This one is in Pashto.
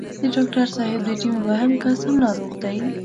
د ډاکټر صاحب د ټيم دوهم کس هم ناروغ دی.